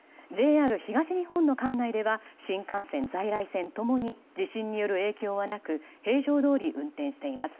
ＪＲ東日本の管内では新幹線、在来線共に地震による影響はなく平常どおり運転しています。